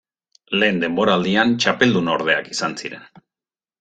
Lehen denboraldian txapeldunordeak izan ziren.